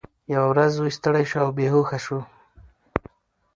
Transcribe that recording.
یوه ورځ زوی ستړی شو او بېهوښه شو.